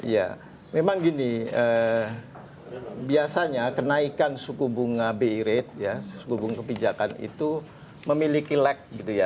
ya memang gini biasanya kenaikan suku bunga bi rate suku bunga kebijakan itu memiliki lag